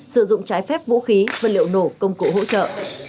sử dụng trái phép vũ khí vật liệu nổ công cụ hỗ trợ